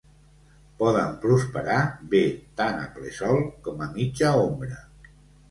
Poden prosperar bé tant a ple sol com a mitja ombra.